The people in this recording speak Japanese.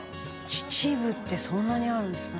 「秩父ってそんなにあるんですね。